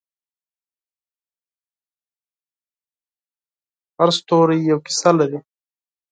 هر ستوری یوه کیسه لري.